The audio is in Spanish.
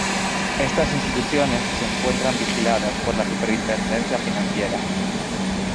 Estas instituciones se encuentran vigiladas por la Superintendencia Financiera.